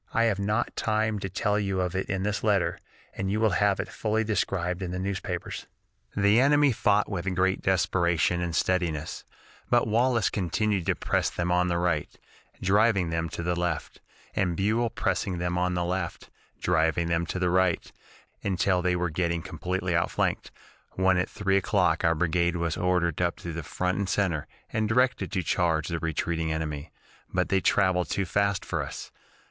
I have not time to tell you of it in this letter, and you will have it fully described in the newspapers. "The enemy fought with great desperation and steadiness, but Wallace continued to press them on the right, driving them to the left, and Buell pressing them on the left, driving them to the right, until they were getting completely outflanked, when at three o'clock our brigade was ordered up to the front and center, and directed to charge the retreating enemy, but they traveled too fast for us.